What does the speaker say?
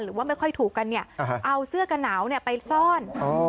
หรือว่าไม่ค่อยถูกกันเอาเสื้อกะหนาวไปซ่อน